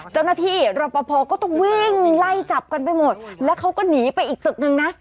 เจ้าหน้าที่ระปะพอก็ต้องวิ่งไล่จับกันไปหมดแล้วเขาก็หนีไปอีกตึกหนึ่งนะ